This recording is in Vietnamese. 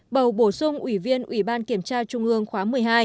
bầu bổ sung ủy viên ủy ban kiểm tra chung mương khóa một mươi hai